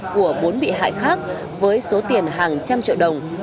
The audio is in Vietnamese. của bốn bị hại khác với số tiền hàng trăm triệu đồng